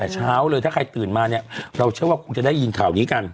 แต่เช้าเลยถ้าใครตื่นมาเนี่ยเราเชื่อว่าคงจะได้ยินข่าวนี้กัน